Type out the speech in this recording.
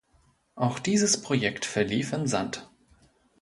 Auch dieses Projekt verlief im Sand.